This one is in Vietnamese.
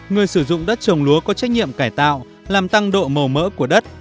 người sử dụng đất trồng lúa có trách nhiệm cải tạo làm tăng độ màu mỡ của đất